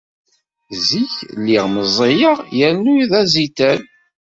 Zik lliɣ meẓẓiyeɣ yernu d azital.